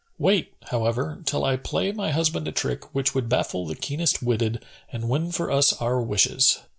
Wait, however, till I play my husband a trick which would baffle the keenest witted and win for us our wishes.